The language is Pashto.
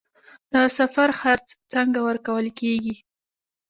د سفر خرڅ څنګه ورکول کیږي؟